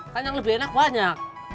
kan yang lebih enak banyak